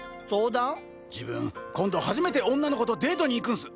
自分今度初めて女の子とデートに行くんす。